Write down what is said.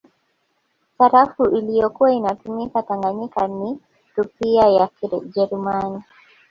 Sarafu iliyokuwa inatumika Tanganyika ni Rupia ya Kijerumani